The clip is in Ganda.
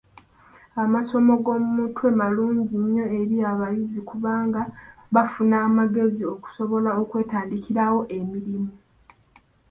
Amasomo g'omu mutwe malungi nnyo eri abayizi kubanga bafuna amagezi okusobola okwetandikirawo emirimu.